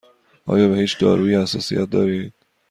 آیا به هیچ دارویی حساسیت دارید؟